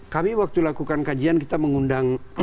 kami waktu lakukan kajian kita mengundang